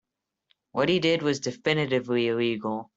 What he did was definitively illegal.